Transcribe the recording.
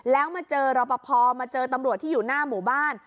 แล้วมาเจอรอปภมาเจอตำรวจที่อยู่หน้าหมู่บ้าน